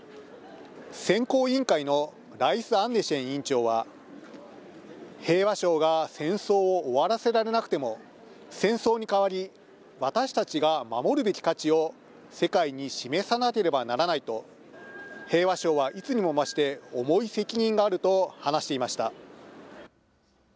選考委員会のライスアンネシェン委員長は、平和賞が戦争を終わらせられなくても、戦争に代わり、私たちが守るべき価値を世界に示さなければならないと、平和賞はいつにも増して重い責任があると話していました。